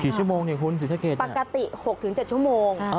สี่ชั่วโมงเนี่ยคุณศรีสะเกตเนี่ยปกติ๖๗ชั่วโมง